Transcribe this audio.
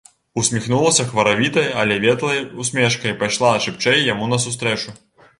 Усміхнулася хваравітай, але ветлай усмешкай, пайшла шыбчэй яму насустрэчу.